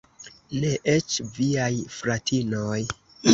Ne eĉ viaj fratinoj.